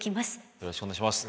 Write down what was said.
よろしくお願いします。